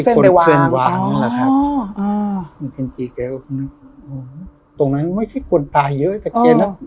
อ่อคือเช่นไปวางวางนั่นแหละครับอ่าตรงนั้นไม่ค่อยตายเยอะแต่